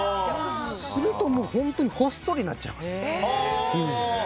するとほっそりになっちゃいます。